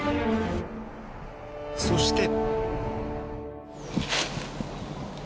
そして。